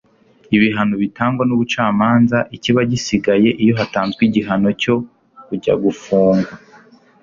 Ibihano bitangwa n'ubucamanza, ikiba gisigaye iyo hatanzwe igihano cyo kujya gufungwa,